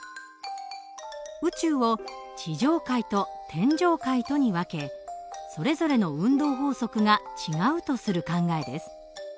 宇宙を地上界と天上界とに分けそれぞれの運動法則が違うとする考えです。